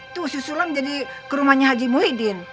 tuh si sulam jadi ke rumahnya haji muhyiddin